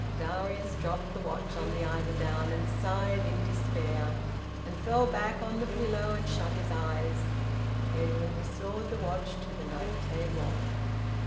Darius dropped the watch on the eider down, and sighed in despair, and fell back on the pillow and shut his eyes. Edwin restored the watch to the night table.